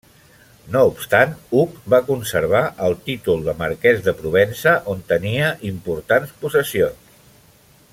No obstant Hug va conservar el títol de marquès de Provença on tenia importants possessions.